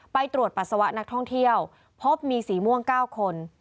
ไปตรวจปัสสาวะนักท่องเที่ยวพบมีสีม่วง๙คน